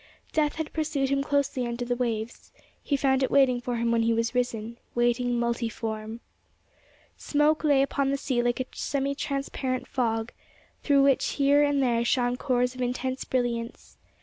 Death had pursued him closely under the waves; he found it waiting for him when he was risen—waiting multiform. Smoke lay upon the sea like a semitransparent fog, through which here and there shone cores of intense brilliance.